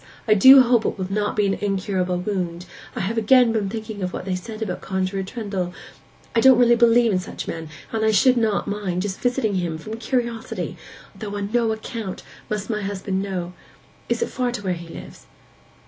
I do hope it will not be an incurable wound. I have again been thinking of what they said about Conjuror Trendle. I don't really believe in such men, but I should not mind just visiting him, from curiosity—though on no account must my husband know. Is it far to where he lives?